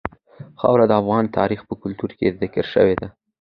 خاوره د افغان تاریخ په کتابونو کې ذکر شوی دي.